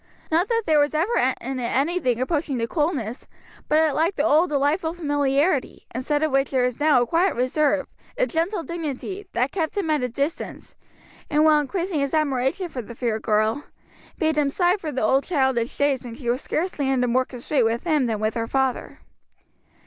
Not that there was ever in it anything approaching to coolness, but it lacked the old delightful familiarity, instead of which there was now a quiet reserve, a gentle dignity, that kept him at a distance, and while increasing his admiration for the fair girl, made him sigh for the old childish days when she was scarcely under more constraint with him than with her father.